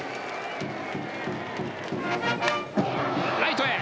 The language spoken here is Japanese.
ライトへ。